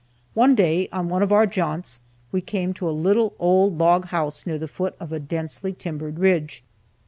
One day on one of our jaunts we came to a little old log house near the foot of a densely timbered ridge.